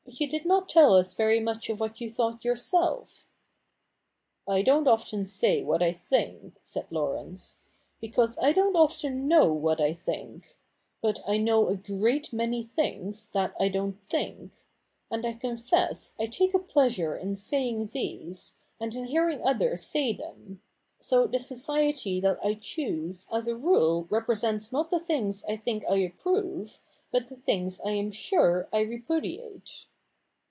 But you did not tell us very much of what you thought yourself.' ' I don't often say what I think,' said Laurence, ' be cause I don't often know what I think ; but I know a great many things that I don't think ; and I confess I take a pleasure in saying these, and in hearing others say them ; so the society that I choose as a rule repre sents not the things I think I approve, but the things I am sure I repudiate.'